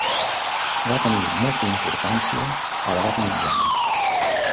Va tenir molta importància a l'edat mitjana.